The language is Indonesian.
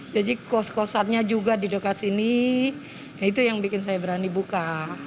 jadi kos kosannya juga di dekat sini itu yang bikin saya berani buka